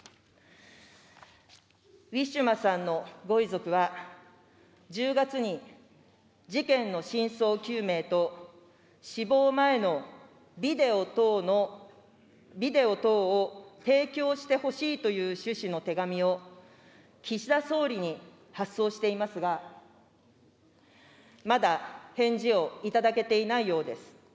ウィシュマさんのご遺族は、１０月に事件の真相究明と死亡前のビデオ等の、ビデオ等を提供してほしいという趣旨の手紙を岸田総理に発送していますが、まだ、返事を頂けていないようです。